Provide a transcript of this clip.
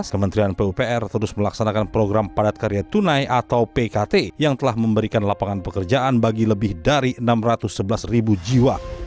kementerian pupr terus melaksanakan program padat karya tunai atau pkt yang telah memberikan lapangan pekerjaan bagi lebih dari enam ratus sebelas ribu jiwa